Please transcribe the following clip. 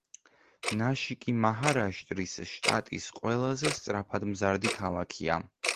ნაშიკი მაჰარაშტრის შტატის ყველაზე სწრაფადმზარდი ქალაქია.